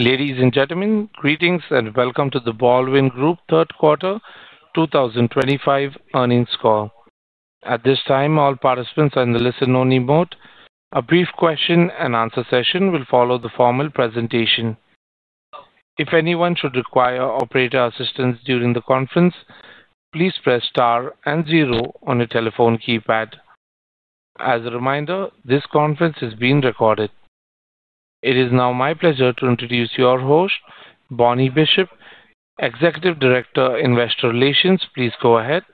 Ladies and gentlemen, greetings and welcome to The Baldwin Group third quarter 2025 earnings call. At this time, all participants are in the listen-only mode. A brief question-and-answer session will follow the formal presentation. If anyone should require operator assistance during the conference, please press star and zero on your telephone keypad. As a reminder, this conference is being recorded. It is now my pleasure to introduce your host, Bonnie Bishop, Executive Director, Investor Relations. Please go ahead.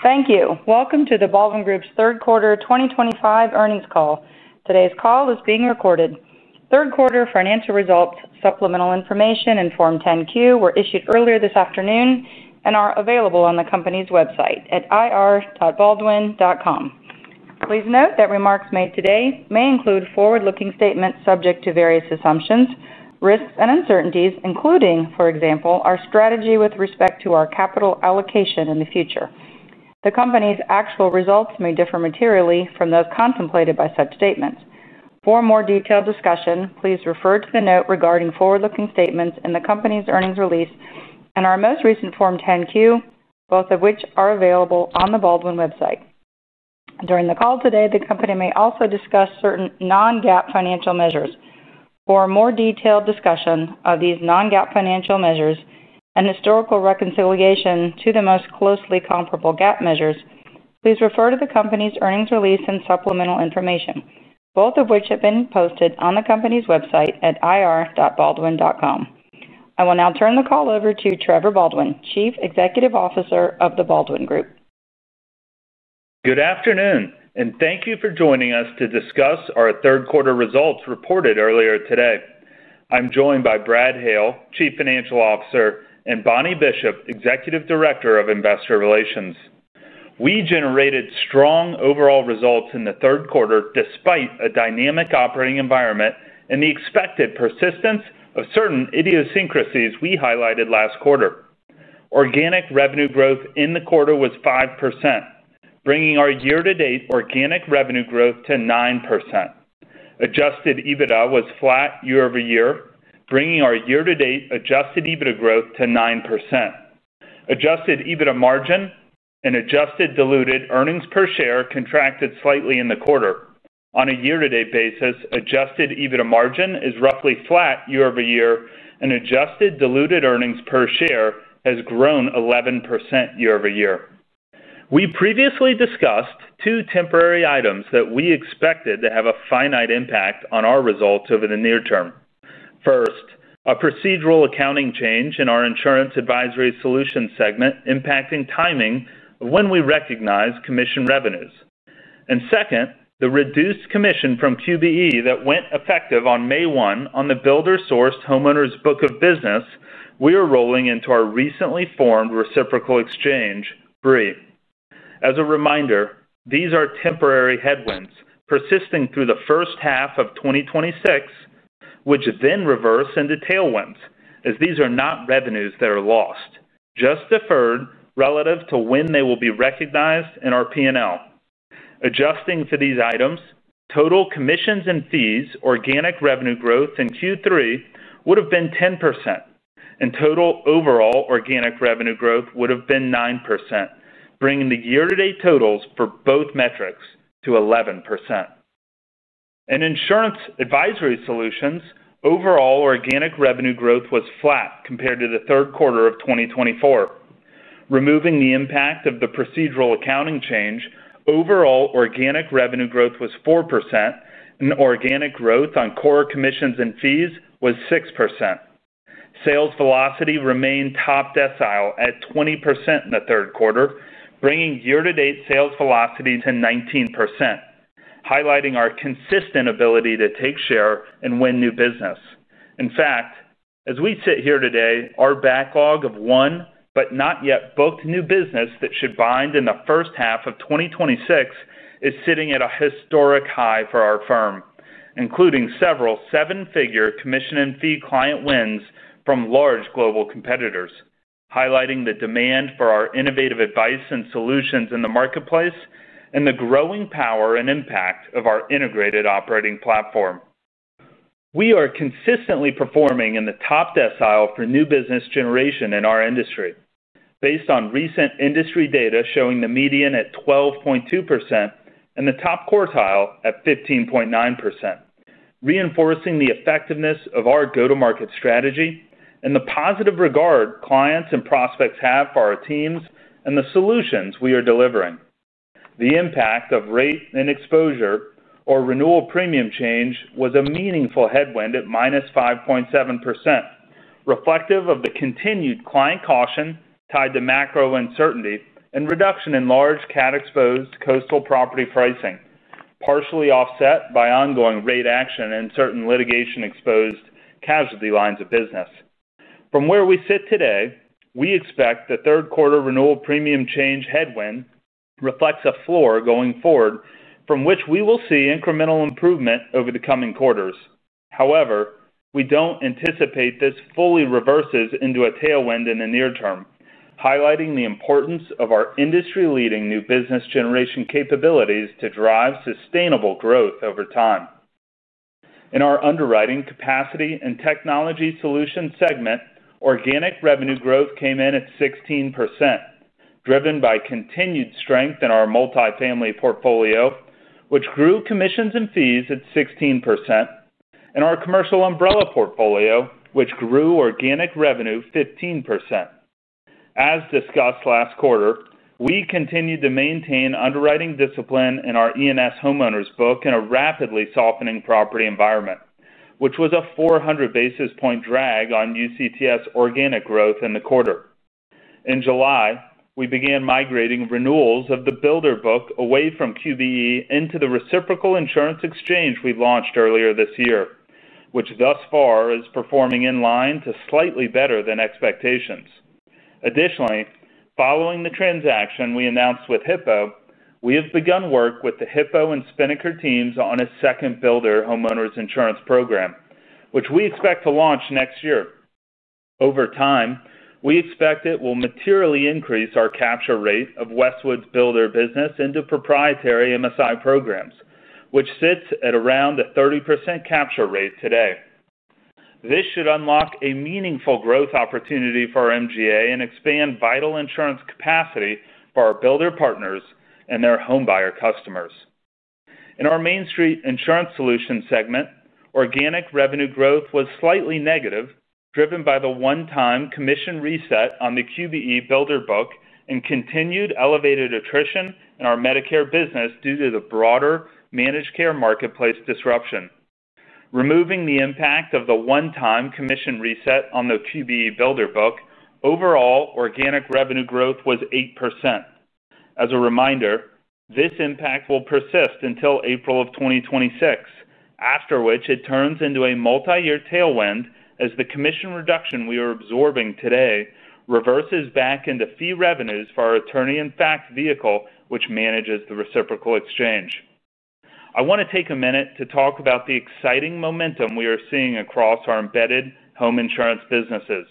Thank you. Welcome to The Baldwin Group's third quarter 2025 earnings call. Today's call is being recorded. Third quarter financial results, supplemental information, and Form 10-Q were issued earlier this afternoon and are available on the company's website at irbaldwin.com. Please note that remarks made today may include forward-looking statements subject to various assumptions, risks, and uncertainties, including, for example, our strategy with respect to our capital allocation in the future. The company's actual results may differ materially from those contemplated by such statements. For more detailed discussion, please refer to the note regarding forward-looking statements in the company's earnings release and our most recent Form 10-Q, both of which are available on the Baldwin website. During the call today, the company may also discuss certain non-GAAP financial measures. For a more detailed discussion of these non-GAAP financial measures and historical reconciliation to the most closely comparable GAAP measures, please refer to the company's earnings release and supplemental information, both of which have been posted on the company's website at irbaldwin.com. I will now turn the call over to Trevor Baldwin, Chief Executive Officer of The Baldwin Group. Good afternoon, and thank you for joining us to discuss our third quarter results reported earlier today. I'm joined by Brad Hale, Chief Financial Officer, and Bonnie Bishop, Executive Director of Investor Relations. We generated strong overall results in the third quarter despite a dynamic operating environment and the expected persistence of certain idiosyncrasies we highlighted last quarter. Organic revenue growth in the quarter was 5%, bringing our year-to-date organic revenue growth to 9%. Adjusted EBITDA was flat year-over-year, bringing our year-to-date Adjusted EBITDA growth to 9%. Adjusted EBITDA margin and adjusted diluted earnings per share contracted slightly in the quarter. On a year-to-date basis, Adjusted EBITDA margin is roughly flat year-over-year, and adjusted diluted earnings per share has grown 11% year-over-year. We previously discussed two temporary items that we expected to have a finite impact on our results over the near-term. First, a procedural accounting change in our Insurance Advisory Solutions segment impacting timing of when we recognize commission revenues. And second, the reduced commission from QBE that went effective on May 1 on the builder-sourced homeowner's book of business we are rolling into our recently formed reciprocal exchange, BRIE. As a reminder, these are temporary headwinds persisting through the first half of 2026, which then reverse into tailwinds as these are not revenues that are lost, just deferred relative to when they will be recognized in our P&L. Adjusting for these items, total commissions and fees, organic revenue growth in Q3 would have been 10%, and total overall organic revenue growth would have been 9%, bringing the year-to-date totals for both metrics to 11%. In Insurance Advisory Solutions, overall organic revenue growth was flat compared to the third quarter of 2024. Removing the impact of the procedural accounting change, overall organic revenue growth was 4%, and organic growth on core commissions and fees was 6%. Sales velocity remained top decile at 20% in the third quarter, bringing year-to-date sales velocity to 19%. Highlighting our consistent ability to take share and win new business. In fact, as we sit here today, our backlog of won but not yet booked new business that should bind in the first half of 2026 is sitting at a historic high for our firm, including several seven-figure commission and fee client wins from large global competitors, highlighting the demand for our innovative advice and solutions in the marketplace and the growing power and impact of our integrated operating platform. We are consistently performing in the top decile for new business generation in our industry, based on recent industry data showing the median at 12.2% and the top quartile at 15.9%, reinforcing the effectiveness of our go-to-market strategy and the positive regard clients and prospects have for our teams and the solutions we are delivering. The impact of rate and exposure or renewal premium change was a meaningful headwind at -5.7%, reflective of the continued client caution tied to macro uncertainty and reduction in large CAT-exposed coastal property pricing, partially offset by ongoing rate action and certain litigation-exposed casualty lines of business. From where we sit today, we expect the third quarter renewal premium change headwind reflects a floor going forward from which we will see incremental improvement over the coming quarters. However, we don't anticipate this fully reverses into a tailwind in the near-term, highlighting the importance of our industry-leading new business generation capabilities to drive sustainable growth over time. In our Underwriting Capacity and Technology Solutions segment, organic revenue growth came in at 16%, driven by continued strength in our multifamily portfolio, which grew commissions and fees at 16%, and our commercial umbrella portfolio, which grew organic revenue 15%. As discussed last quarter, we continued to maintain underwriting discipline in our E&S homeowners book in a rapidly softening property environment, which was a 400 basis point drag on UCTS organic growth in the quarter. In July, we began migrating renewals of the builder book away from QBE into the reciprocal insurance exchange we launched earlier this year, which thus far is performing in line to slightly better than expectations. Additionally, following the transaction we announced with Hippo, we have begun work with the Hippo and Spinnaker teams on a second builder homeowners insurance program, which we expect to launch next year. Over time, we expect it will materially increase our capture rate of Westwood's builder business into proprietary MIS programs, which sits at around a 30% capture rate today. This should unlock a meaningful growth opportunity for our MGA and expand vital insurance capacity for our builder partners and their homebuyer customers. In our Mainstreet Insurance Solutions segment, organic revenue growth was slightly negative, driven by the one-time commission reset on the QBE builder book and continued elevated attrition in our Medicare business due to the broader managed care marketplace disruption. Removing the impact of the one-time commission reset on the QBE builder book, overall organic revenue growth was 8%. As a reminder, this impact will persist until April of 2026, after which it turns into a multi-year tailwind as the commission reduction we are absorbing today reverses back into fee revenues for our attorney in fact vehicle, which manages the reciprocal exchange. I want to take a minute to talk about the exciting momentum we are seeing across our embedded home insurance businesses.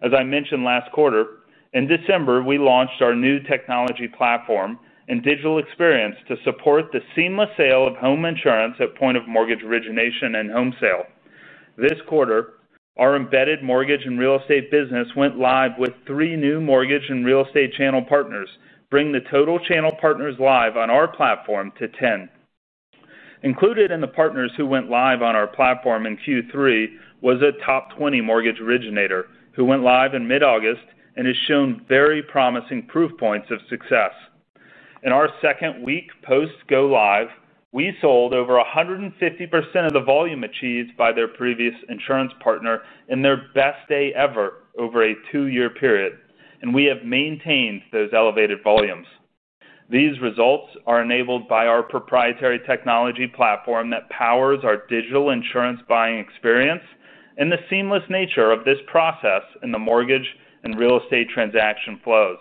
As I mentioned last quarter, in December, we launched our new technology platform and digital experience to support the seamless sale of home insurance at point of mortgage origination and home sale. This quarter, our embedded mortgage and real estate business went live with three new mortgage and real estate channel partners, bringing the total channel partners live on our platform to 10. Included in the partners who went live on our platform in Q3 was a top 20 mortgage originator who went live in mid-August and has shown very promising proof points of success. In our second week post-go live, we sold over 150% of the volume achieved by their previous insurance partner in their best day ever over a two-year period, and we have maintained those elevated volumes. These results are enabled by our proprietary technology platform that powers our digital insurance buying experience and the seamless nature of this process in the mortgage and real estate transaction flows.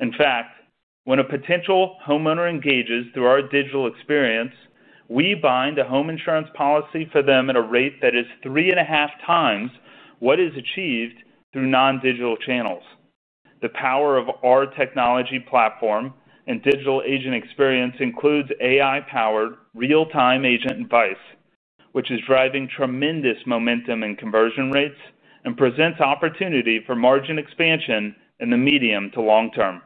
In fact, when a potential homeowner engages through our digital experience, we bind a home insurance policy for them at a rate that is three and a half times what is achieved through non-digital channels. The power of our technology platform and digital agent experience includes AI-powered real-time agent advice, which is driving tremendous momentum in conversion rates and presents opportunity for margin expansion in the medium to long-term.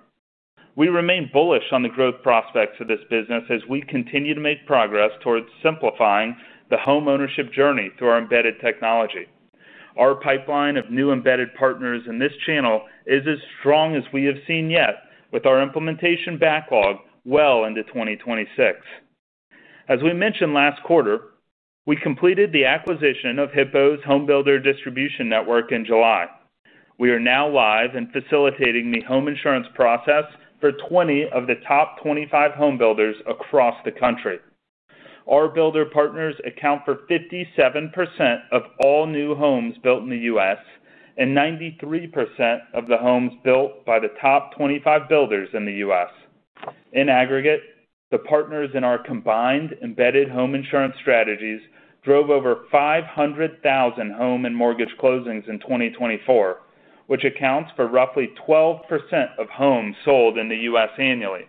We remain bullish on the growth prospects of this business as we continue to make progress towards simplifying the homeownership journey through our embedded technology. Our pipeline of new embedded partners in this channel is as strong as we have seen yet, with our implementation backlog well into 2026. As we mentioned last quarter, we completed the acquisition of Hippo's home builder distribution network in July. We are now live and facilitating the home insurance process for 20 of the top 25 home builders across the country. Our builder partners account for 57% of all new homes built in the U.S. and 93% of the homes built by the top 25 builders in the U.S. In aggregate, the partners in our combined embedded home insurance strategies drove over 500,000 home and mortgage closings in 2024, which accounts for roughly 12% of homes sold in the U.S. annually,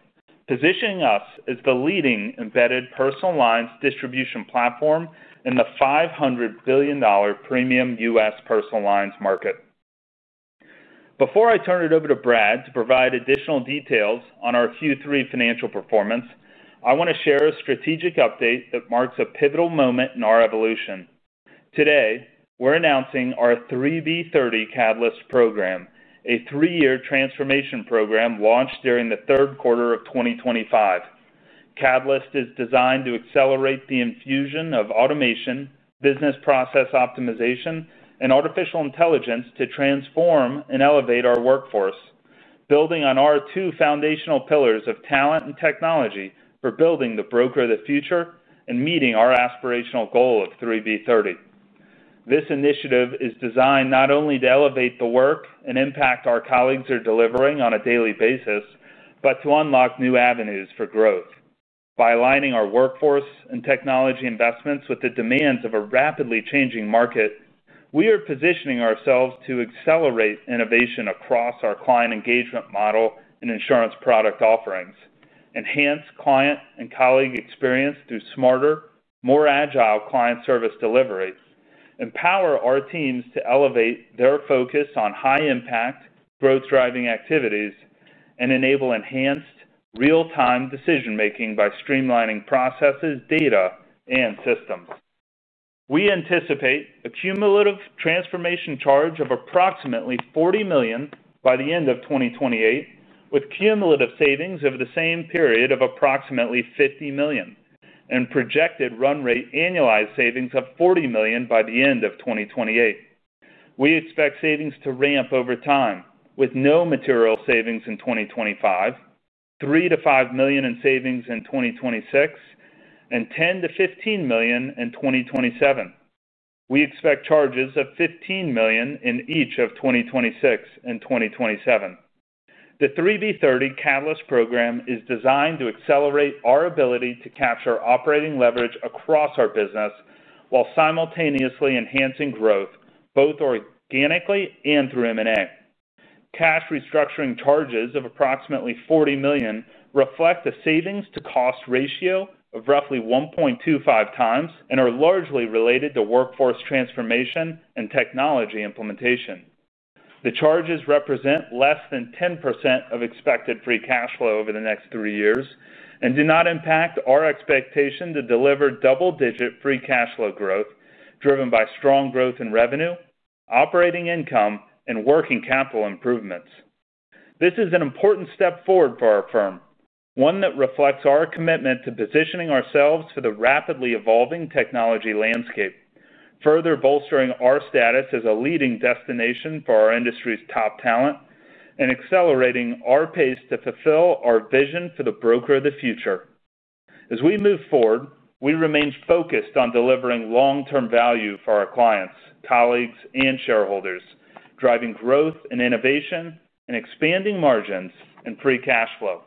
positioning us as the leading embedded personal lines distribution platform in the $500 billion premium U.S. personal lines market. Before I turn it over to Brad to provide additional details on our Q3 financial performance, I want to share a strategic update that marks a pivotal moment in our evolution. Today, we're announcing our 3B/30 Catalyst program, a three-year transformation program launched during the third quarter of 2025. Catalyst is designed to accelerate the infusion of automation, business process optimization, and artificial intelligence to transform and elevate our workforce, building on our two foundational pillars of talent and technology for building the broker of the future and meeting our aspirational goal of 3B/30. This initiative is designed not only to elevate the work and impact our colleagues are delivering on a daily basis, but to unlock new avenues for growth. By aligning our workforce and technology investments with the demands of a rapidly changing market, we are positioning ourselves to accelerate innovation across our client engagement model and insurance product offerings, enhance client and colleague experience through smarter, more agile client service delivery, empower our teams to elevate their focus on high-impact, growth-driving activities, and enable enhanced real-time decision-making by streamlining processes, data, and systems. We anticipate a cumulative transformation charge of approximately $40 million by the end of 2028, with cumulative savings over the same period of approximately $50 million, and projected run rate annualized savings of $40 million by the end of 2028. We expect savings to ramp over time, with no material savings in 2025. $3 million-$5 million in savings in 2026. And $10 million-$15 million in 2027. We expect charges of $15 million in each of 2026 and 2027. The 3B/30 Catalyst program is designed to accelerate our ability to capture operating leverage across our business while simultaneously enhancing growth both organically and through M&A. Cash restructuring charges of approximately $40 million reflect a savings-to-cost ratio of roughly 1.25x and are largely related to workforce transformation and technology implementation. The charges represent less than 10% of expected free cash flow over the next three years and do not impact our expectation to deliver double-digit free cash flow growth driven by strong growth in revenue, operating income, and working capital improvements. This is an important step forward for our firm, one that reflects our commitment to positioning ourselves for the rapidly evolving technology landscape, further bolstering our status as a leading destination for our industry's top talent, and accelerating our pace to fulfill our vision for the broker of the future. As we move forward, we remain focused on delivering long-term value for our clients, colleagues, and shareholders, driving growth and innovation and expanding margins and free cash flow.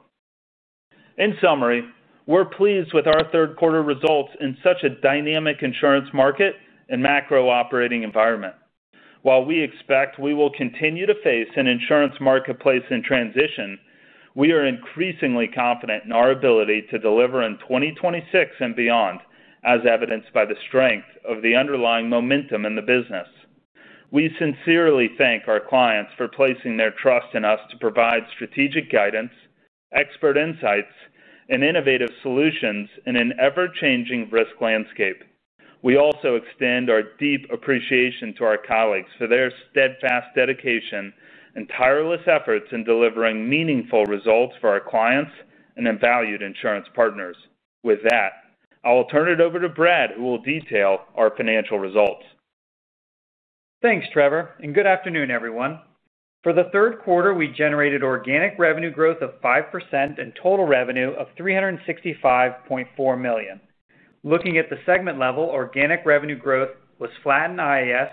In summary, we're pleased with our third quarter results in such a dynamic insurance market and macro operating environment. While we expect we will continue to face an insurance marketplace in transition, we are increasingly confident in our ability to deliver in 2026 and beyond, as evidenced by the strength of the underlying momentum in the business. We sincerely thank our clients for placing their trust in us to provide strategic guidance, expert insights, and innovative solutions in an ever-changing risk landscape. We also extend our deep appreciation to our colleagues for their steadfast dedication and tireless efforts in delivering meaningful results for our clients and valued insurance partners. With that, I'll turn it over to Brad, who will detail our financial results. Thanks, Trevor, and good afternoon, everyone. For the third quarter, we generated organic revenue growth of 5% and total revenue of $365.4 million. Looking at the segment level, organic revenue growth was flat in IAS,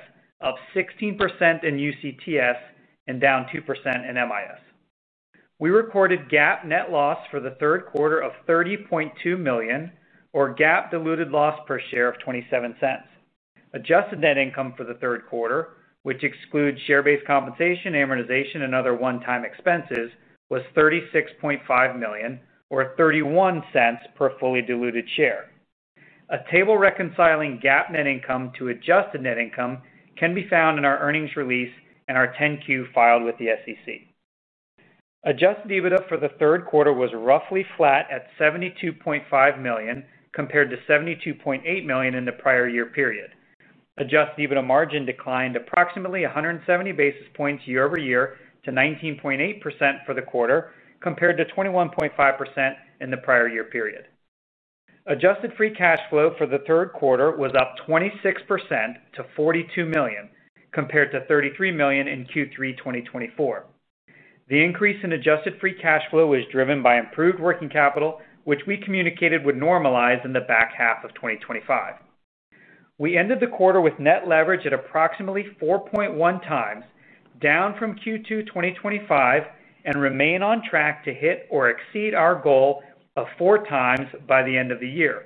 16% in UCTS, and down 2% in MIS. We recorded GAAP net loss for the third quarter of $30.2 million, or GAAP diluted loss per share of $0.27. Adjusted net income for the third quarter, which excludes share-based compensation, amortization, and other one-time expenses, was $36.5 million, or $0.31 per fully diluted share. A table reconciling GAAP net income to adjusted net income can be found in our earnings release and our 10-Q filed with the SEC. Adjusted EBITDA for the third quarter was roughly flat at $72.5 million compared to $72.8 million in the prior year period. Adjusted EBITDA margin declined approximately 170 basis points year-over-year to 19.8% for the quarter, compared to 21.5% in the prior year period. Adjusted free cash flow for the third quarter was up 26% to $42 million compared to $33 million in Q3 2024. The increase in adjusted free cash flow was driven by improved working capital, which we communicated would normalize in the back half of 2025. We ended the quarter with net leverage at approximately 4.1x, down from Q2 2025, and remain on track to hit or exceed our goal of 4x by the end of the year.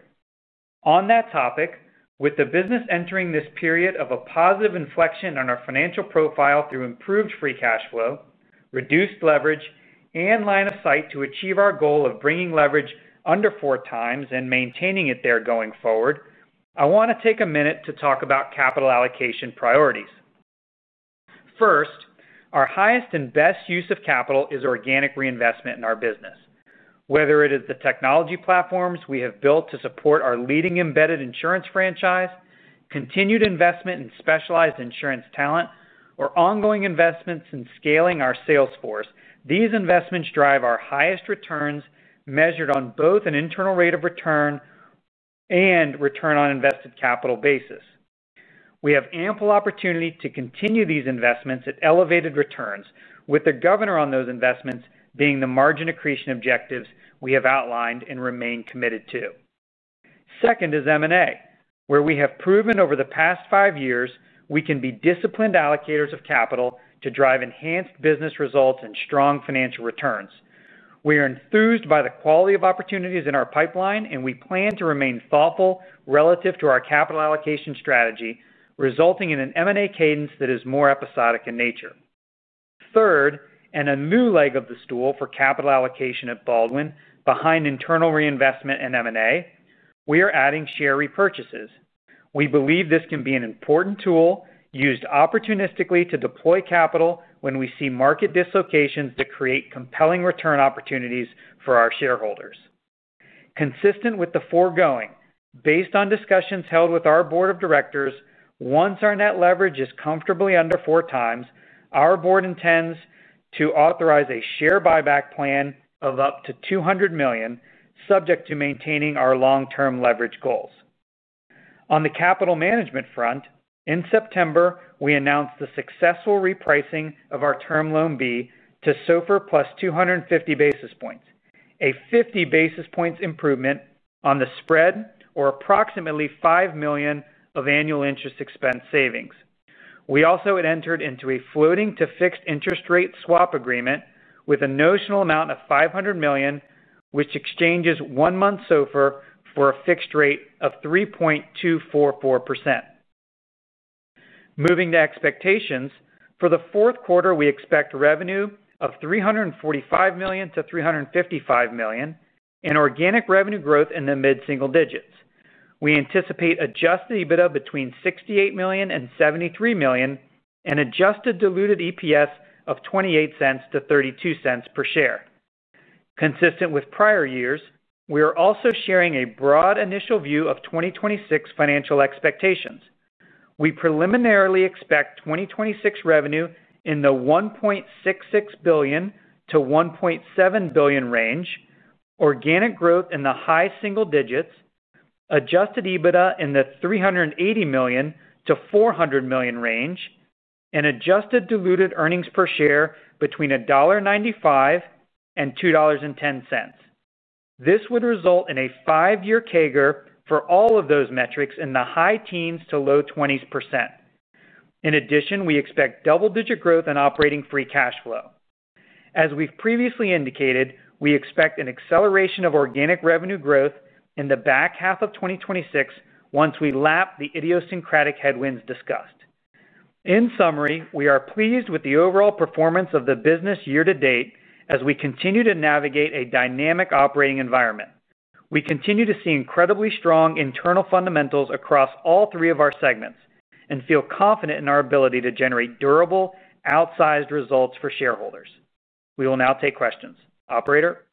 On that topic, with the business entering this period of a positive inflection on our financial profile through improved free cash flow, reduced leverage, and line of sight to achieve our goal of bringing leverage under 4x and maintaining it there going forward, I want to take a minute to talk about capital allocation priorities. First, our highest and best use of capital is organic reinvestment in our business. Whether it is the technology platforms we have built to support our leading embedded insurance franchise, continued investment in specialized insurance talent, or ongoing investments in scaling our sales force, these investments drive our highest returns measured on both an internal rate of return and return on invested capital basis. We have ample opportunity to continue these investments at elevated returns, with the governor on those investments being the margin accretion objectives we have outlined and remain committed to. Second is M&A, where we have proven over the past five years we can be disciplined allocators of capital to drive enhanced business results and strong financial returns. We are enthused by the quality of opportunities in our pipeline, and we plan to remain thoughtful relative to our capital allocation strategy, resulting in an M&A cadence that is more episodic in nature. Third, and a new leg of the stool for capital allocation at Baldwin, behind internal reinvestment and M&A, we are adding share repurchases. We believe this can be an important tool used opportunistically to deploy capital when we see market dislocations that create compelling return opportunities for our shareholders. Consistent with the foregoing, based on discussions held with our board of directors, once our net leverage is comfortably under 4 times, our board intends to authorize a share buyback plan of up to $200 million, subject to maintaining our long-term leverage goals. On the capital management front, in September, we announced the successful repricing of our Term Loan B to SOFR plus 250 basis points, a 50 basis points improvement on the spread or approximately $5 million of annual interest expense savings. We also had entered into a floating-to-fixed interest rate swap agreement with a notional amount of $500 million, which exchanges one-month SOFR for a fixed rate of 3.244%. Moving to expectations, for the fourth quarter, we expect revenue of $345 million-$355 million and organic revenue growth in the mid-single digits. We anticipate Adjusted EBITDA between $68 million and $73 million and adjusted diluted EPS of $0.28-$0.32 per share. Consistent with prior years, we are also sharing a broad initial view of 2026 financial expectations. We preliminarily expect 2026 revenue in the $1.66 billion-$1.7 billion range, organic growth in the high single digits, Adjusted EBITDA in the $380 million-$400 million range, and adjusted diluted earnings per share between $1.95 and $2.10. This would result in a five-year CAGR for all of those metrics in the high teens to low 20s%. In addition, we expect double-digit growth in operating free cash flow. As we've previously indicated, we expect an acceleration of organic revenue growth in the back half of 2026 once we lap the idiosyncratic headwinds discussed. In summary, we are pleased with the overall performance of the business year to date as we continue to navigate a dynamic operating environment. We continue to see incredibly strong internal fundamentals across all three of our segments and feel confident in our ability to generate durable, outsized results for shareholders. We will now take questions. Operator.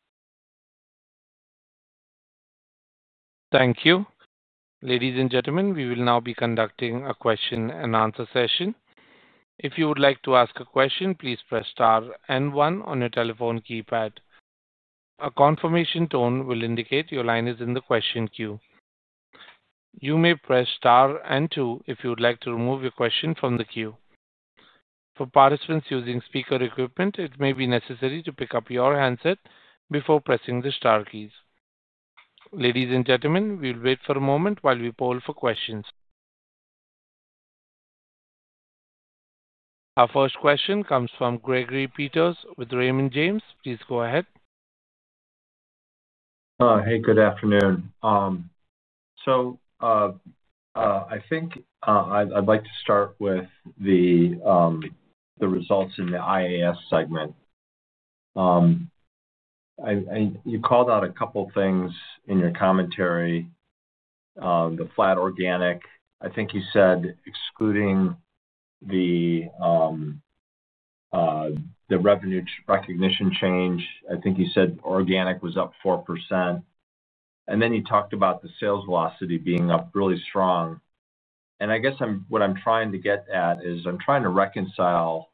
Thank you. Ladies and gentlemen, we will now be conducting a question and answer session. If you would like to ask a question, please press star and one on your telephone keypad. A confirmation tone will indicate your line is in the question queue. You may press star and two if you would like to remove your question from the queue. For participants using speaker equipment, it may be necessary to pick up your handset before pressing the star keys. Ladies and gentlemen, we will wait for a moment while we poll for questions. Our first question comes from Gregory Peters with Raymond James. Please go ahead. Hey, good afternoon. So. I think. I'd like to start with the. Results in the IAS segment. You called out a couple of things in your commentary. The flat organic. I think you said excluding the. Revenue recognition change, I think you said organic was up 4%. And then you talked about the sales velocity being up really strong. And I guess what I'm trying to get at is I'm trying to reconcile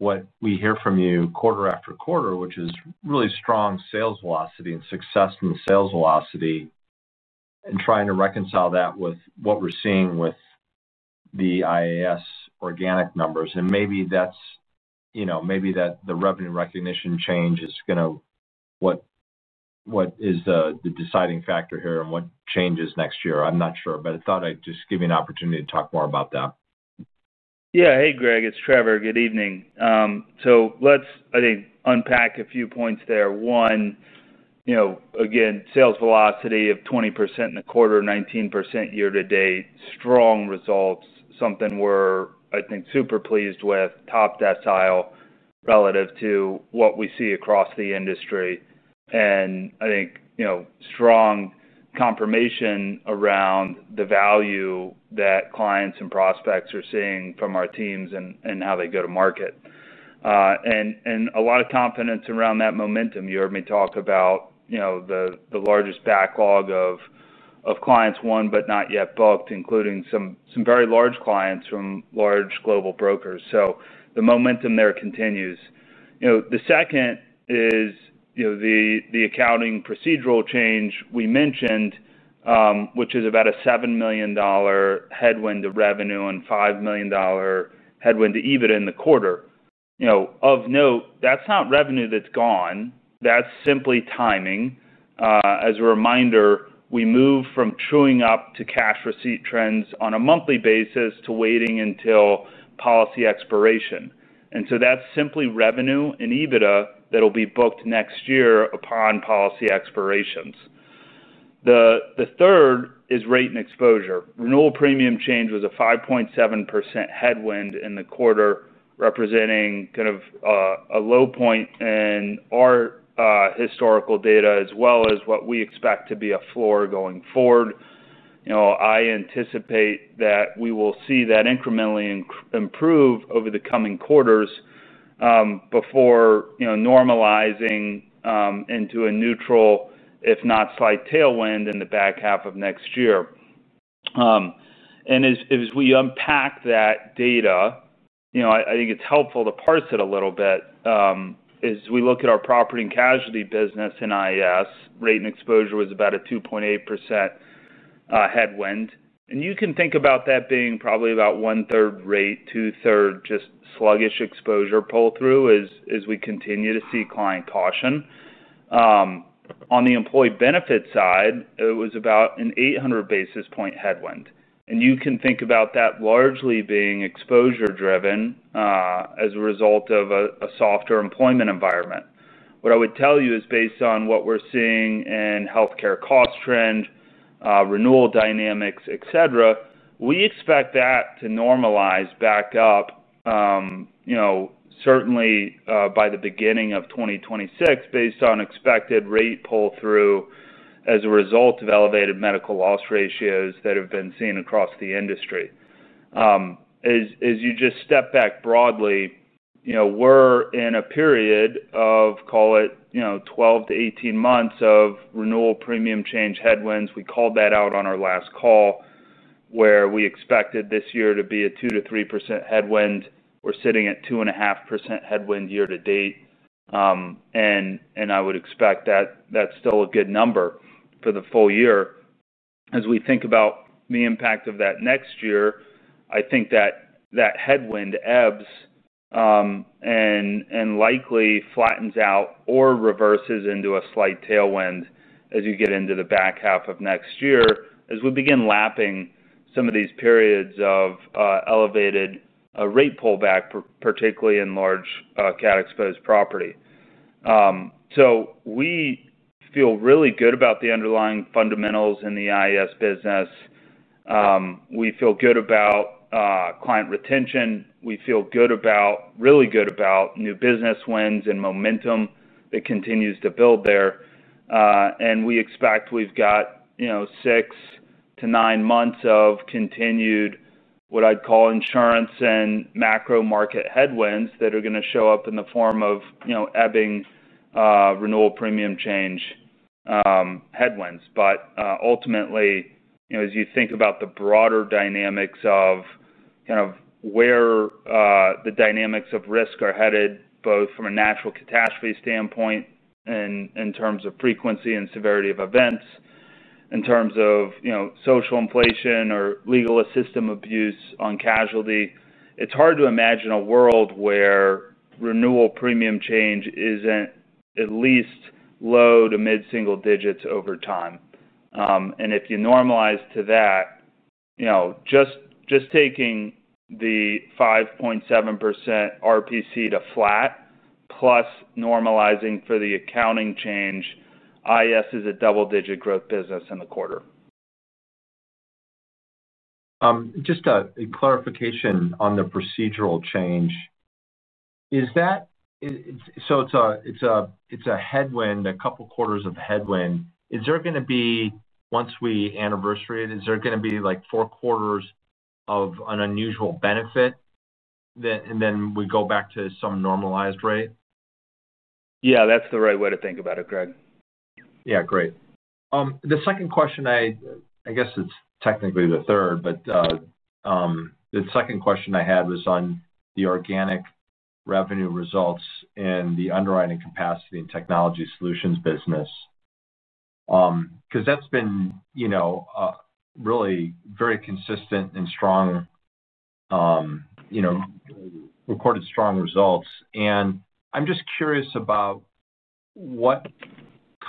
what we hear from you quarter after quarter, which is really strong sales velocity and success in sales velocity. And trying to reconcile that with what we're seeing with. The IAS organic numbers. And maybe that's. Maybe that the revenue recognition change is going to. What is the deciding factor here and what changes next year? I'm not sure, but I thought I'd just give you an opportunity to talk more about that. Yeah. Hey, Greg. It's Trevor. Good evening. So let's, I think, unpack a few points there. One. Again, sales velocity of 20% in the quarter, 19% year to date, strong results, something we're, I think, super pleased with, top decile relative to what we see across the industry. And I think. Strong confirmation around the value that clients and prospects are seeing from our teams and how they go-to-market. And a lot of confidence around that momentum. You heard me talk about. The largest backlog of. Clients won but not yet booked, including some very large clients from large global brokers. So the momentum there continues. The second is. The accounting procedural change we mentioned. Which is about a $7 million. Headwind to revenue and $5 million. Headwind to EBIT in the quarter. Of note, that's not revenue that's gone. That's simply timing. As a reminder, we move from accrual to cash receipt trends on a monthly basis to waiting until. Policy expiration. And so that's simply revenue and EBITDA that will be booked next year upon policy expirations. The third is rate and exposure. Renewal premium change was a 5.7% headwind in the quarter, representing kind of a low point in our historical data, as well as what we expect to be a floor going forward. I anticipate that we will see that incrementally improve over the coming quarters. Before normalizing. Into a neutral, if not slight tailwind, in the back half of next year. And as we unpack that data, I think it's helpful to parse it a little bit. As we look at our property and casualty business in IAS, rate and exposure was about a 2.8% headwind. And you can think about that being probably about one-third rate, two-thirds just sluggish exposure pull-through as we continue to see client caution. On the employee benefit side, it was about an 800 basis point headwind. And you can think about that largely being exposure-driven as a result of a softer employment environment. What I would tell you is based on what we're seeing in healthcare cost trend, renewal dynamics, etc., we expect that to normalize back up. Certainly by the beginning of 2026, based on expected rate pull-through as a result of elevated medical loss ratios that have been seen across the industry. As you just step back broadly. We're in a period of, call it, 12 to 18 months of renewal premium change headwinds. We called that out on our last call. Where we expected this year to be a 2%-3% headwind. We're sitting at 2.5% headwind year to date. And I would expect that that's still a good number for the full year. As we think about the impact of that next year, I think that headwind ebbs. And likely flattens out or reverses into a slight tailwind as you get into the back half of next year as we begin lapping some of these periods of elevated rate pullback, particularly in large CAT-exposed property. So we feel really good about the underlying fundamentals in the IAS business. We feel good about client retention. We feel good about, really good about new business wins and momentum that continues to build there. And we expect we've got six to nine months of continued, what I'd call, insurance and macro market headwinds that are going to show up in the form of ebbing renewal premium change headwinds. But ultimately, as you think about the broader dynamics of kind of where the dynamics of risk are headed, both from a natural catastrophe standpoint and in terms of frequency and severity of events, in terms of social inflation or legal assistance abuse on casualty, it's hard to imagine a world where renewal premium change isn't at least low to mid-single digits over time. And if you normalize to that, just taking the 5.7% RPC to flat plus normalizing for the accounting change, IAS is a double-digit growth business in the quarter. Just a clarification on the procedural change. So it's a headwind, a couple quarters of headwind. Is there going to be, once we anniversary it, is there going to be like four quarters of an unusual benefit? And then we go back to some normalized rate? Yeah. That's the right way to think about it, Greg. Yeah. Great. The second question, I guess it's technically the third, but the second question I had was on the organic revenue results in the underwriting capacity and technology solutions business. Because that's been really very consistent and strong, recorded strong results. And I'm just curious about what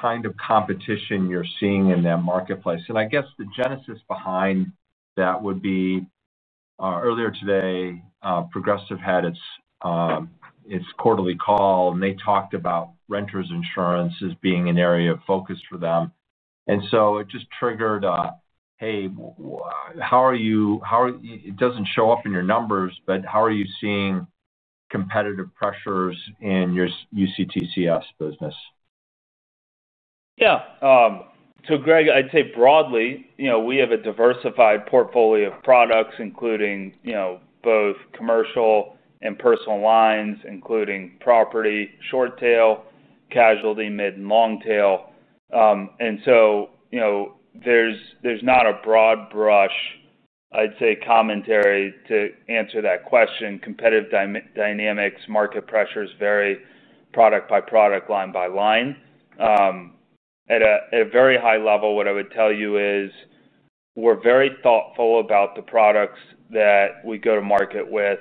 kind of competition you're seeing in that marketplace. And I guess the genesis behind that would be earlier today, Progressive had its quarterly call, and they talked about renters insurance as being an area of focus for them. And so it just triggered, "Hey, how are you?" It doesn't show up in your numbers, but how are you seeing competitive pressures in your UCTS business? Yeah. So Greg, I'd say broadly, we have a diversified portfolio of products, including both commercial and personal lines, including property, short tail, casualty, mid, and long tail. And so there's not a broad brush, I'd say, commentary to answer that question. Competitive dynamics, market pressures vary product by product, line by line. At a very high level, what I would tell you is we're very thoughtful about the products that we go-to-market with.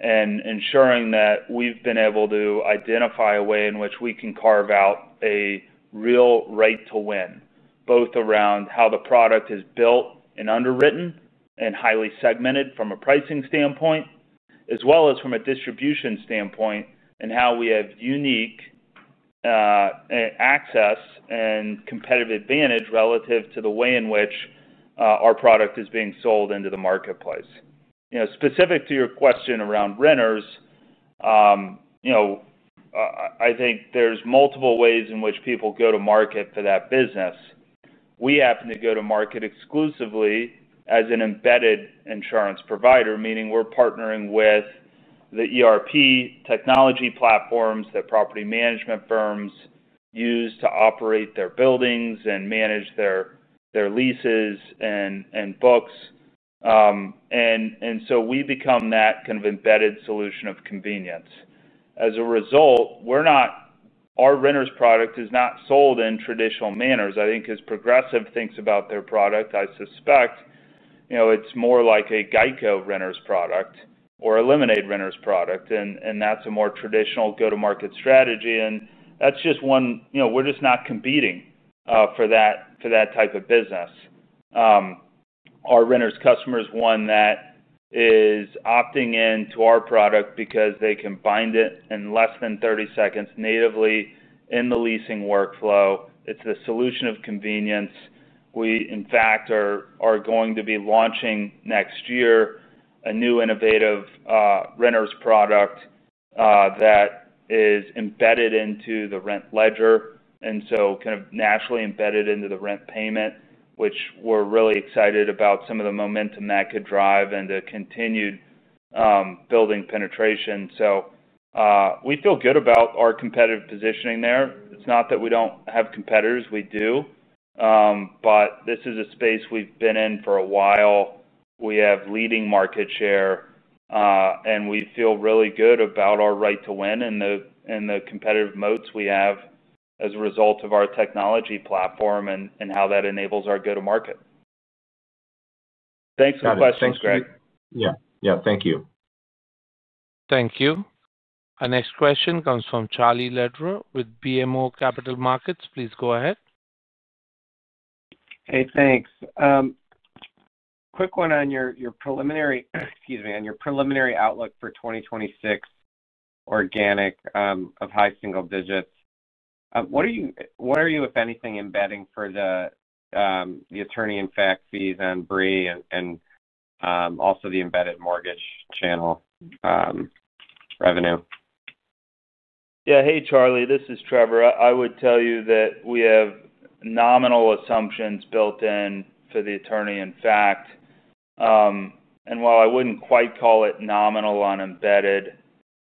And ensuring that we've been able to identify a way in which we can carve out a real rate to win, both around how the product is built and underwritten and highly segmented from a pricing standpoint, as well as from a distribution standpoint, and how we have unique access and competitive advantage relative to the way in which our product is being sold into the marketplace. Specific to your question around renters. I think there's multiple ways in which people go-to-market for that business. We happen to go-to-market exclusively as an embedded insurance provider, meaning we're partnering with the ERP technology platforms that property management firms use to operate their buildings and manage their leases and books. And so we become that kind of embedded solution of convenience. As a result, our renters product is not sold in traditional manners. I think as Progressive thinks about their product, I suspect it's more like a Geico renters product or a Lemonade renters product. And that's a more traditional go-to-market strategy. And that's just one we're just not competing for that type of business. Our renters customer is one that is opting into our product because they can bind it in less than 30 seconds natively in the leasing workflow. It's the solution of convenience. We, in fact, are going to be launching next year a new innovative renters product that is embedded into the rent ledger and so kind of naturally embedded into the rent payment, which we're really excited about some of the momentum that could drive into continued building penetration. So we feel good about our competitive positioning there. It's not that we don't have competitors. We do. But this is a space we've been in for a while. We have leading market share. And we feel really good about our right to win and the competitive moats we have as a result of our technology platform and how that enables our go-to-market. Thanks for the questions. Greg. Yeah. Yeah. Thank you. Thank you. Our next question comes from Charlie Lederer with BMO Capital Markets. Please go ahead. Hey, thanks. Quick one on your preliminary—excuse me—on your preliminary outlook for 2026. Organic of high single digits. What are you, if anything, embedding for the attorney in fact fees and BRIE and also the embedded mortgage channel revenue? Yeah. Hey, Charlie. This is Trevor. I would tell you that we have nominal assumptions built in for the attorney in fact. And while I wouldn't quite call it nominal on embedded,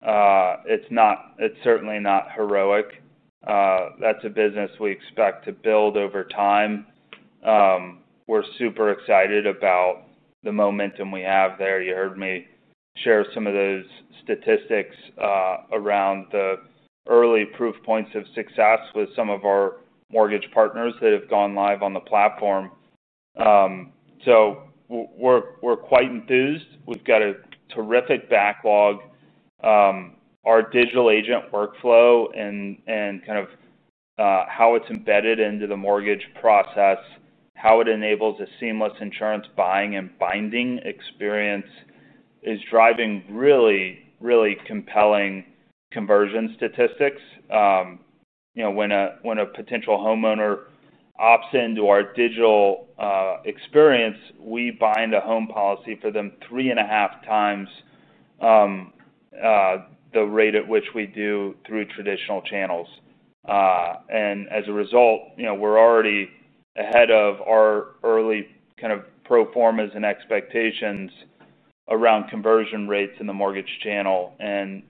it's certainly not heroic. That's a business we expect to build over time. We're super excited about the momentum we have there. You heard me share some of those statistics around the early proof points of success with some of our mortgage partners that have gone live on the platform. So we're quite enthused. We've got a terrific backlog. Our digital agent workflow and kind of how it's embedded into the mortgage process. How it enables a seamless insurance buying and binding experience, is driving really, really compelling conversion statistics. When a potential homeowner opts into our digital experience, we bind a home policy for them three and a half times the rate at which we do through traditional channels. And as a result, we're already ahead of our early kind of proformas and expectations around conversion rates in the mortgage channel. And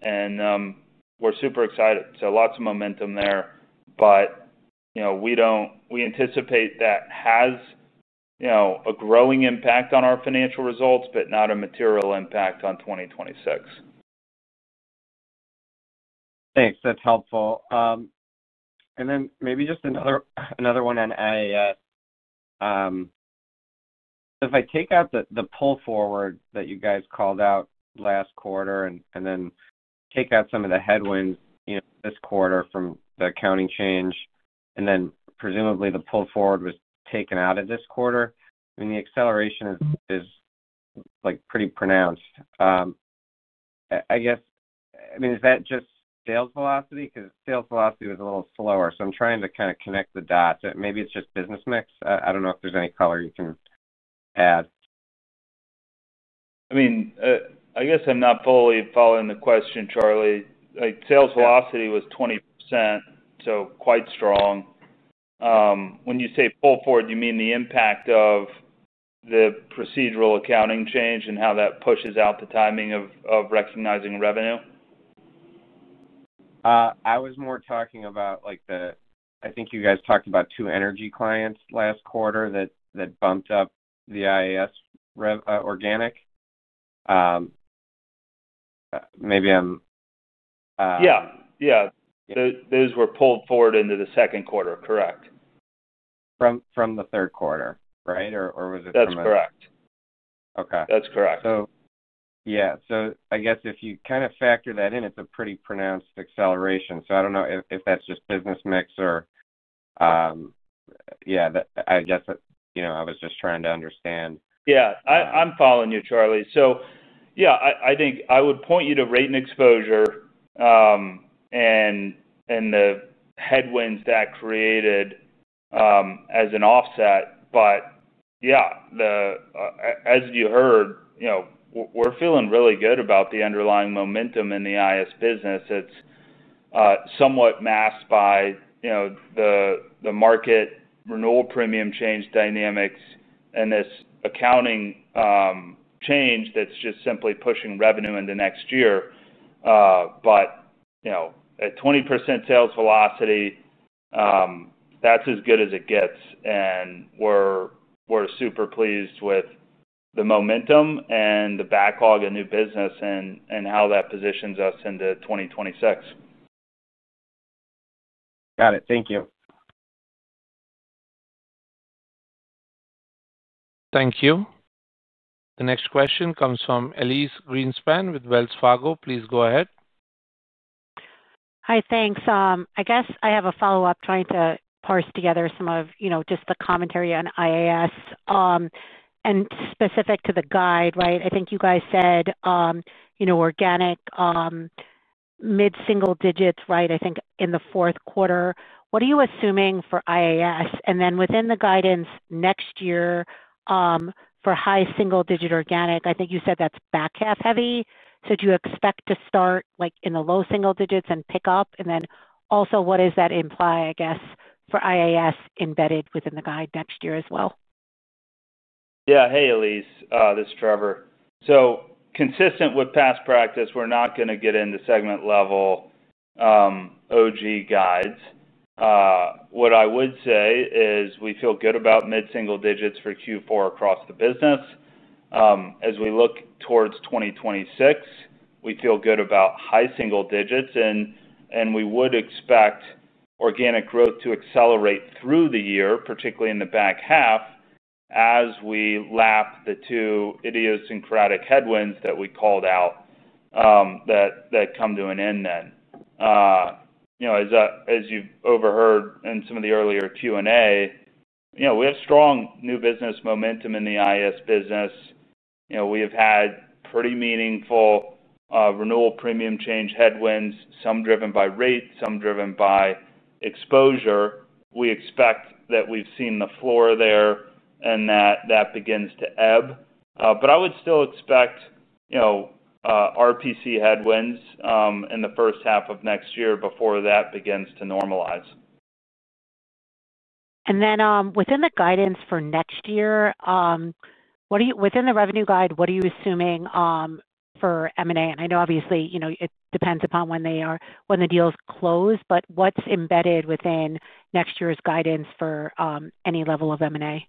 we're super excited. So lots of momentum there. But we anticipate that has a growing impact on our financial results, but not a material impact on 2026. Thanks. That's helpful. And then maybe just another one on IAS. If I take out the pull forward that you guys called out last quarter and then take out some of the headwinds this quarter from the accounting change, and then presumably the pull forward was taken out of this quarter, I mean, the acceleration is pretty pronounced. I guess, I mean, is that just sales velocity? Because sales velocity was a little slower. So I'm trying to kind of connect the dots. Maybe it's just business mix. I don't know if there's any color you can add. I mean, I guess I'm not fully following the question, Charlie. Sales velocity was 20%, so quite strong. When you say pull forward, you mean the impact of the procedural accounting change and how that pushes out the timing of recognizing revenue? I was more talking about the—I think you guys talked about two energy clients last quarter that bumped up the IAS organic. Maybe I'm— Yeah. Yeah. Those were pulled forward into the second quarter. Correct. From the third quarter, right? Or was it from the— That's correct. Okay. That's correct. So, yeah. So I guess if you kind of factor that in, it's a pretty pronounced acceleration. So I don't know if that's just business mix or. Yeah. I guess I was just trying to understand. Yeah. I'm following you, Charlie. So, yeah, I think I would point you to rate and exposure and the headwinds that created as an offset. But yeah. As you heard, we're feeling really good about the underlying momentum in the IAS business. It's somewhat masked by the market, renewal premium change dynamics, and this accounting change that's just simply pushing revenue into next year. But at 20% sales velocity, that's as good as it gets. And we're super pleased with the momentum and the backlog of new business and how that positions us into 2026. Got it. Thank you. Thank you. The next question comes from Elyse Greenspan with Wells Fargo. Please go ahead. Hi. Thanks. I guess I have a follow-up trying to parse together some of just the commentary on IAS. And specific to the guide, right, I think you guys said organic mid-single digits, right, I think in the fourth quarter. What are you assuming for IAS? And then within the guidance next year. For high single-digit organic, I think you said that's back half heavy. So do you expect to start in the low single digits and pick up? And then also what does that imply, I guess, for IAS embedded within the guide next year as well? Yeah. Hey, Elyse. This is Trevor. So consistent with past practice, we're not going to get into segment-level OG guides. What I would say is we feel good about mid-single digits for Q4 across the business. As we look towards 2026, we feel good about high single digits. And we would expect organic growth to accelerate through the year, particularly in the back half, as we lap the two idiosyncratic headwinds that we called out that come to an end then. As you've overheard in some of the earlier Q&A. We have strong new business momentum in the IAS business. We have had pretty meaningful renewal premium change headwinds, some driven by rate, some driven by exposure. We expect that we've seen the floor there and that that begins to ebb. But I would still expect RPC headwinds in the first half of next year before that begins to normalize. And then within the guidance for next year within the revenue guide, what are you assuming for M&A? And I know, obviously, it depends upon when the deal's closed. But what's embedded within next year's guidance for any level of M&A?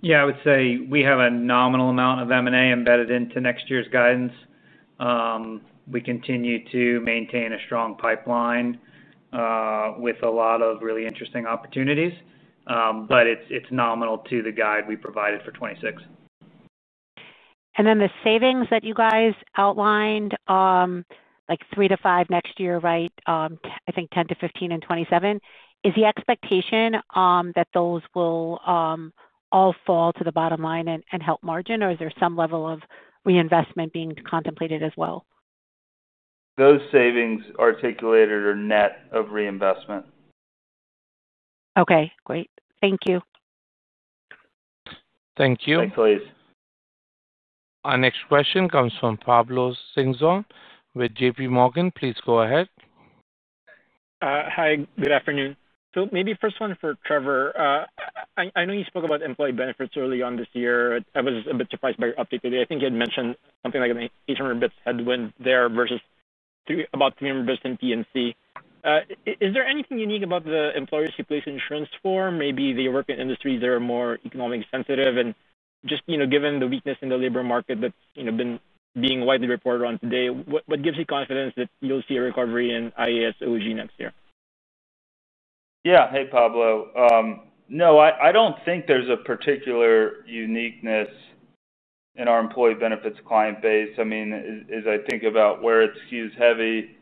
Yeah. I would say we have a nominal amount of M&A embedded into next year's guidance. We continue to maintain a strong pipeline with a lot of really interesting opportunities. But it's nominal to the guide we provided for 2026. And then the savings that you guys outlined like $3 million-$5 million next year, right, I think $10 million-$15 million in 2027, is the expectation that those will all fall to the bottom line and help margin, or is there some level of reinvestment being contemplated as well? Those savings articulated are net of reinvestment. Okay. Great. Thank you. Thank you. Thanks, Elyse. Our next question comes from Pablo Singzon with JPMorgan. Please go ahead. Hi. Good afternoon. So maybe first one for Trevor. I know you spoke about employee benefits early on this year. I was a bit surprised by your update today. I think you had mentioned something like an 800 basis point headwind there versus about 300 basis points in P&C. Is there anything unique about the employer's employee insurance form? Maybe they work in industries that are more economically sensitive. And just given the weakness in the labor market that's been widely reported on today, what gives you confidence that you'll see a recovery in IAS OG next year? Yeah. Hey, Pablo. No, I don't think there's a particular uniqueness in our employee benefits client base. I mean, as I think about where it skews heavy,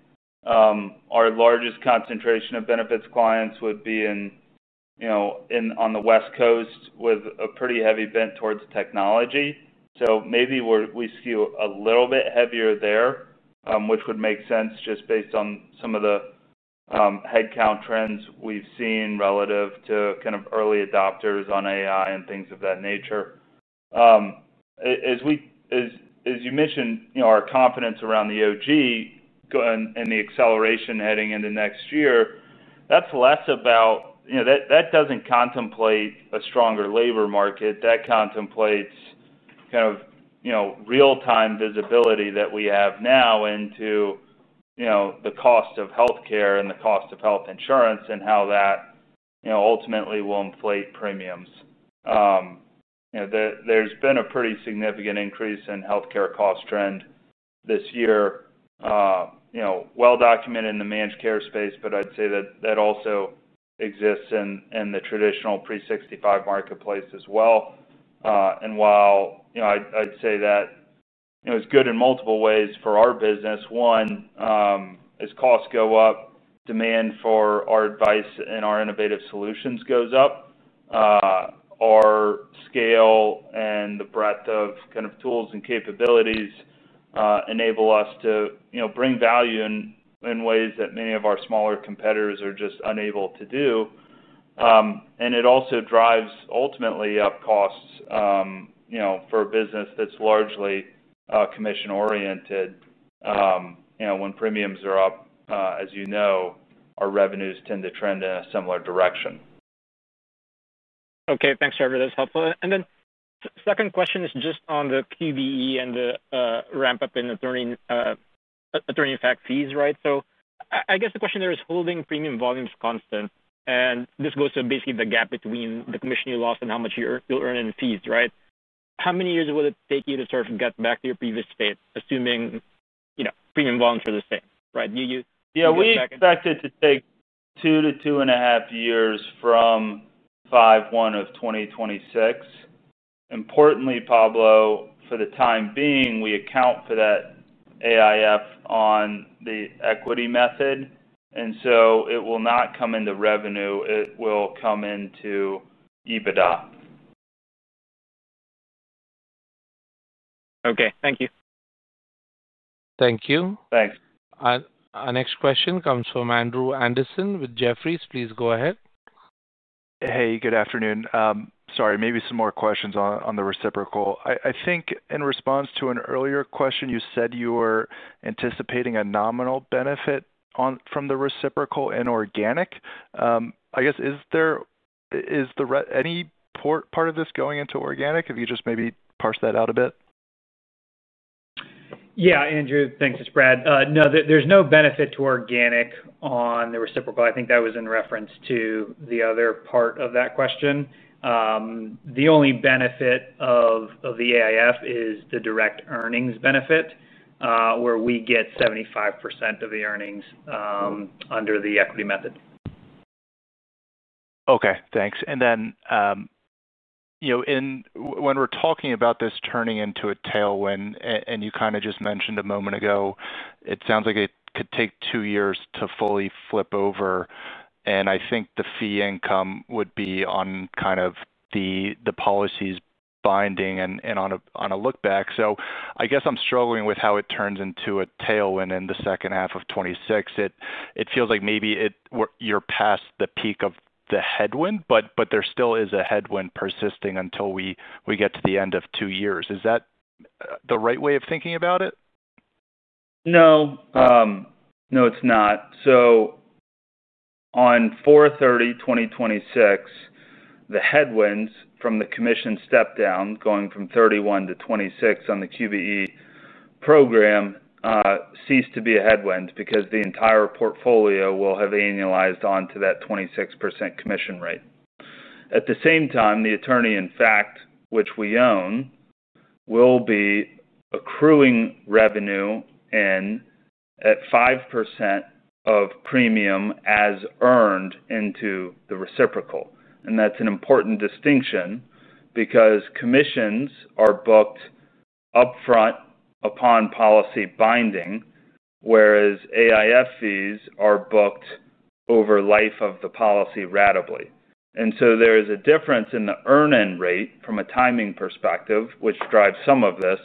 our largest concentration of benefits clients would be on the West Coast with a pretty heavy bent towards technology. So maybe we skew a little bit heavier there, which would make sense just based on some of the headcount trends we've seen relative to kind of early adopters on AI and things of that nature. As you mentioned, our confidence around the organic and the acceleration heading into next year, that's less about that doesn't contemplate a stronger labor market. That contemplates kind of real-time visibility that we have now into the cost of healthcare and the cost of health insurance and how that ultimately will inflate premiums. There's been a pretty significant increase in healthcare cost trend this year. Well documented in the managed care space, but I'd say that also exists in the traditional pre-65 marketplace as well. And while I'd say that is good in multiple ways for our business, one, as costs go up, demand for our advice and our innovative solutions goes up. Our scale and the breadth of kind of tools and capabilities enable us to bring value in ways that many of our smaller competitors are just unable to do. And it also drives ultimately up costs for a business that's largely commission-oriented. When premiums are up, as you know, our revenues tend to trend in a similar direction. Okay. Thanks, Trevor. That's helpful. And then second question is just on the QBE and the ramp-up in attorney in fact fees, right? So I guess the question there is holding premium volumes constant. And this goes to basically the gap between the commission you lost and how much you'll earn in fees, right? How many years will it take you to sort of get back to your previous state, assuming premium volumes are the same, right? Do you expect that? Yeah. We expect it to take two to two and a half years from 5/1 of 2026. Importantly, Pablo, for the time being, we account for that AIF on the equity method. And so it will not come into revenue. It will come into EBITDA. Okay. Thank you. Thank you. Thanks. Our next question comes from Andrew Andersen with Jefferies. Please go ahead. Hey. Good afternoon. Sorry. Maybe some more questions on the reciprocal. I think in response to an earlier question, you said you were anticipating a nominal benefit from the reciprocal in organic. I guess, is there any part of this going into organic? If you just maybe parse that out a bit. Yeah. Andrew, thanks. It's Brad. No, there's no benefit to organic on the reciprocal. I think that was in reference to the other part of that question. The only benefit of the AIF is the direct earnings benefit where we get 75% of the earnings under the equity method. Okay. Thanks. And then when we're talking about this turning into a tailwind, and you kind of just mentioned a moment ago, it sounds like it could take two years to fully flip over. And I think the fee income would be on kind of the. Policies binding and on a look-back. So I guess I'm struggling with how it turns into a tailwind in the second half of 2026. It feels like maybe you're past the peak of the headwind, but there still is a headwind persisting until we get to the end of two years. Is that the right way of thinking about it? No. No, it's not. So. On April 30, 2026, the headwinds from the commission step-down going from 31%-26% on the QBE program cease to be a headwind because the entire portfolio will have annualized onto that 26% commission rate. At the same time, the attorney in fact, which we own, will be accruing revenue at 5% of premium as earned into the reciprocal. And that's an important distinction because commissions are booked upfront upon policy binding, whereas AIF fees are booked over life of the policy ratably. And so there is a difference in the earn-in rate from a timing perspective, which drives some of this.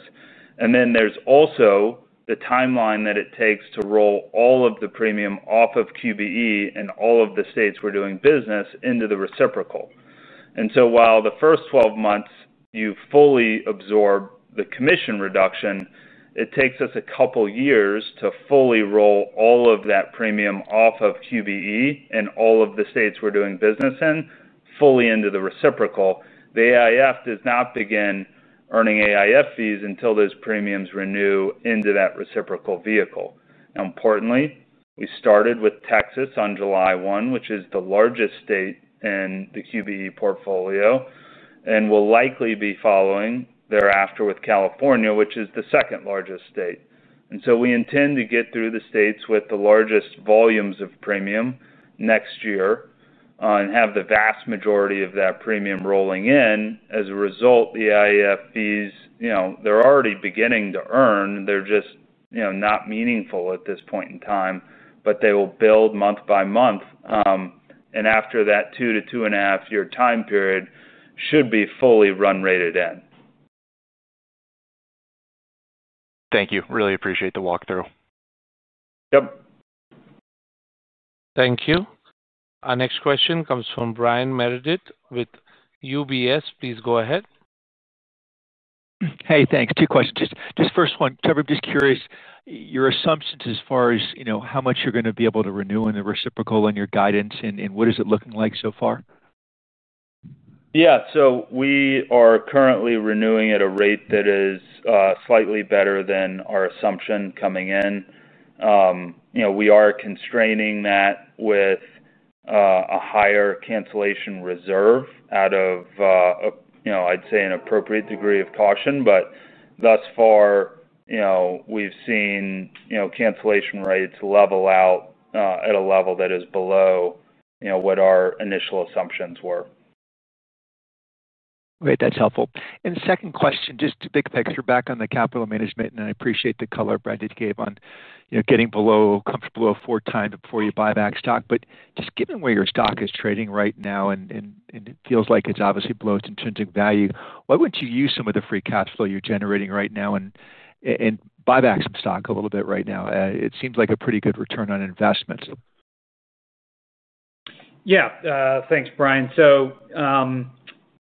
And then there's also the timeline that it takes to roll all of the premium off of QBE and all of the states we're doing business into the reciprocal. And so while the first 12 months you fully absorb the commission reduction, it takes us a couple of years to fully roll all of that premium off of QBE and all of the states we're doing business in fully into the reciprocal. The AIF does not begin earning AIF fees until those premiums renew into that reciprocal vehicle. Now, importantly, we started with Texas on July 1, which is the largest state in the QBE portfolio, and will likely be following thereafter with California, which is the second largest state. And so we intend to get through the states with the largest volumes of premium next year and have the vast majority of that premium rolling in. As a result, the AIF fees, they're already beginning to earn. They're just not meaningful at this point in time, but they will build month by month. And after that two to two and a half year time period, should be fully run rated in. Thank you. Really appreciate the walkthrough. Yep. Thank you. Our next question comes from Brian Meredith with UBS. Please go ahead. Hey. Thanks. Two questions. Just first one, Trevor, just curious, your assumptions as far as how much you're going to be able to renew in the reciprocal and your guidance, and what is it looking like so far? Yeah. So we are currently renewing at a rate that is slightly better than our assumption coming in. We are constraining that with a higher cancellation reserve out of. I'd say an appropriate degree of caution. But thus far, we've seen cancellation rates level out at a level that is below what our initial assumptions were. Great. That's helpful. And second question, just to pick back on the capital management, and I appreciate the color Brad gave on getting comfortable four times before you buy back stock. But just given where your stock is trading right now, and it feels like it's obviously below its intrinsic value, why wouldn't you use some of the free cash flow you're generating right now and buy back some stock a little bit right now? It seems like a pretty good return on investment. Yeah. Thanks, Brian. So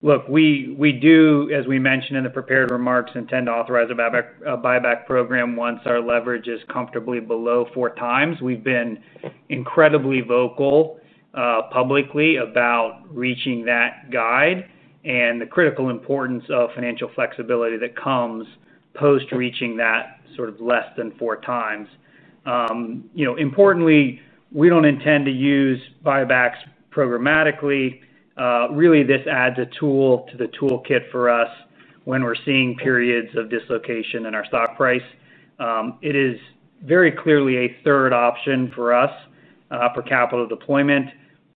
look, we do, as we mentioned in the prepared remarks, intend to authorize a buyback program once our leverage is comfortably below four times. We've been incredibly vocal publicly about reaching that guide and the critical importance of financial flexibility that comes post reaching that sort of less than four times. Importantly, we don't intend to use buybacks programmatically. Really, this adds a tool to the toolkit for us when we're seeing periods of dislocation in our stock price. It is very clearly a third option for us for capital deployment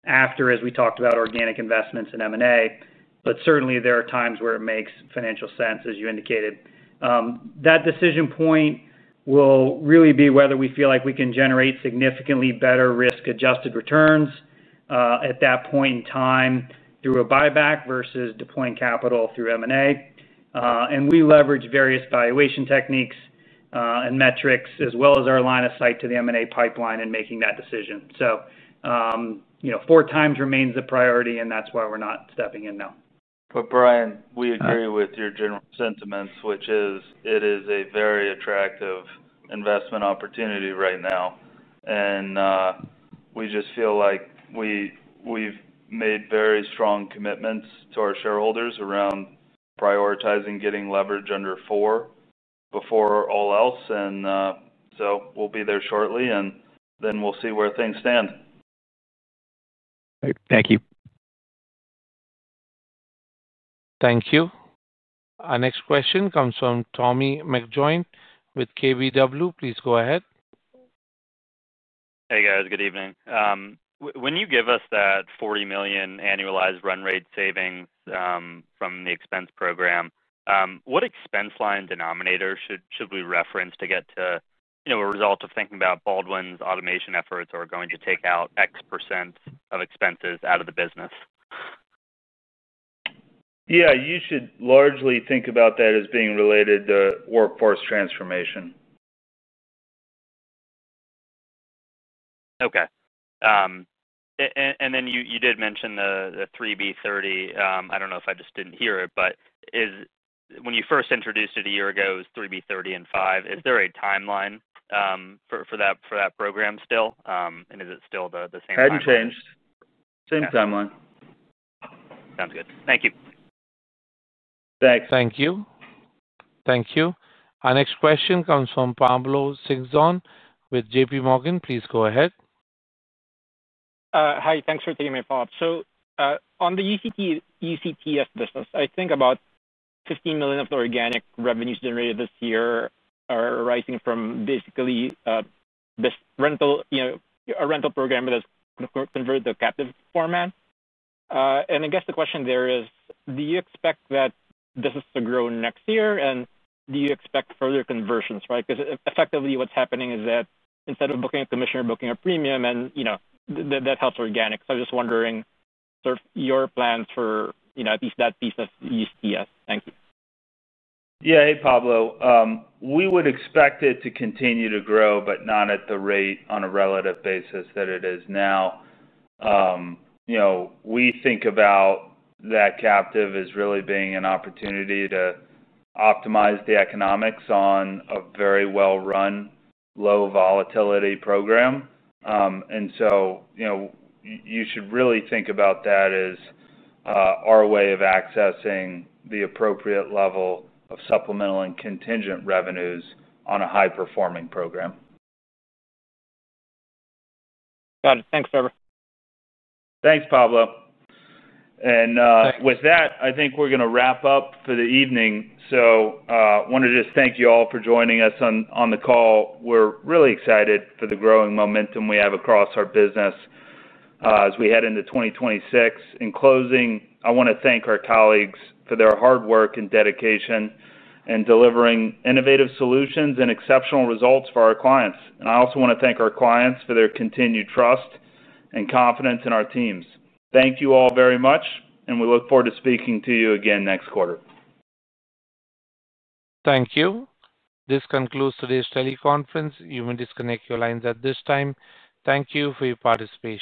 after, as we talked about, organic investments and M&A. But certainly, there are times where it makes financial sense, as you indicated. That decision point will really be whether we feel like we can generate significantly better risk-adjusted returns at that point in time through a buyback versus deploying capital through M&A. And we leverage various valuation techniques and metrics as well as our line of sight to the M&A pipeline in making that decision. So four times remains a priority, and that's why we're not stepping in now. But Brian, we agree with your general sentiments, which is it is a very attractive investment opportunity right now. And we just feel like we've made very strong commitments to our shareholders around prioritizing getting leverage under four before all else. And so we'll be there shortly, and then we'll see where things stand. Thank you. Thank you. Our next question comes from Tommy McJoynt with KBW. Please go ahead. Hey, guys. Good evening. When you give us that $40 million annualized run rate savings from the expense program, what expense line denominator should we reference to get to a result of thinking about Baldwin's automation efforts or going to take out X percent of expenses out of the business? Yeah. You should largely think about that as being related to workforce transformation. Okay. And then you did mention the 3B/30. I don't know if I just didn't hear it, but when you first introduced it a year ago, it was 3B/30 and 5. Is there a timeline for that program still? And is it still the same timeline? Hasn't changed. Same timeline. Sounds good. Thank you. Thanks. Thank you. Thank you. Our next question comes from Pablo Singzon with JPMorgan. Please go ahead. Hi. Thanks for taking my call. So on the UCTS business, I think about $15 million of the organic revenues generated this year are arising from basically. A rental program that has converted to a captive format. And I guess the question there is, do you expect that this is to grow next year, and do you expect further conversions, right? Because effectively, what's happening is that instead of booking a commission or booking a premium. That helps organic. So I'm just wondering sort of your plans for at least that piece of UCTS. Thank you. Yeah. Hey, Pablo. We would expect it to continue to grow, but not at the rate on a relative basis that it is now. We think about that captive as really being an opportunity to optimize the economics on a very well-run, low-volatility program. And so. You should really think about that as. Our way of accessing the appropriate level of supplemental and contingent revenues on a high-performing program. Got it. Thanks, Trevor. Thanks, Pablo. And with that, I think we're going to wrap up for the evening. So I want to just thank you all for joining us on the call. We're really excited for the growing momentum we have across our business. As we head into 2026. In closing, I want to thank our colleagues for their hard work and dedication in delivering innovative solutions and exceptional results for our clients. And I also want to thank our clients for their continued trust and confidence in our teams. Thank you all very much, and we look forward to speaking to you again next quarter. Thank you. This concludes today's teleconference. You may disconnect your lines at this time. Thank you for your participation.